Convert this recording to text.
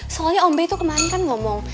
soalnya ombe itu kemarin kan ngomong